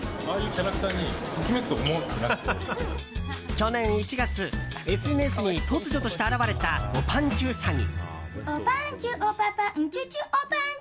去年１月ＳＮＳに突如として現れたおぱんちゅうさぎ。